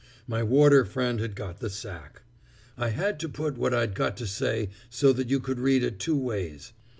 My warder friend had got the sack. I had to put what I'd got to say so that you could read it two ways.